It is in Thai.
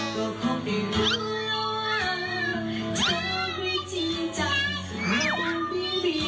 จังหวะรุ่นแช่จันทร์เพลงไว้